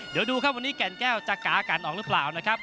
เดี๋ยวดูครับวันนี้แก่นแก้วจะกากันออกหรือเปล่านะครับ